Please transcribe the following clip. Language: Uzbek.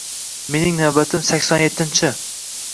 Mening navbatim sakson yettinchi